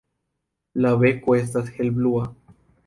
La beko estas helblua.